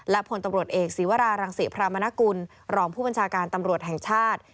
ผลตำรวจเอกศีวรารังศิพรามนกุลรองผู้บัญชาการตำรวจแห่งชาติ